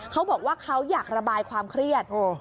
เขาบอกว่าเขาอยากระบายความเครียด